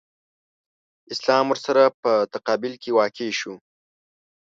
اسلام ورسره په تقابل کې واقع شو.